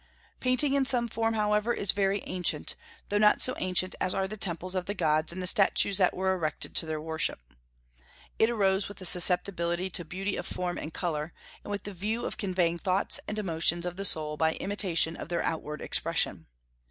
Painting in some form, however, is very ancient, though not so ancient as are the temples of the gods and the statues that were erected to their worship. It arose with the susceptibility to beauty of form and color, and with the view of conveying thoughts and emotions of the soul by imitation of their outward expression.